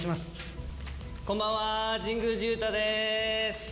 こんばんは、神宮寺勇太です。